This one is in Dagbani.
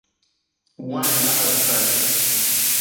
wain gaɣili pali.